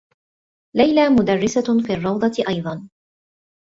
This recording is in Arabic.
ليلى مدرّسة في الرّوضة أيضا.